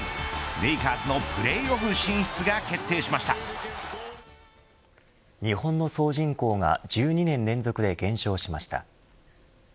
レイカーズのプレーオフ進出が日本の総人口が１２年連続で減少しました。